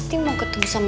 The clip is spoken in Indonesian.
tidak ada apa apa